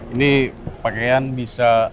ini pakaian bisa